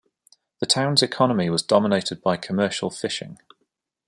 The town's economy was dominated by commercial fishing.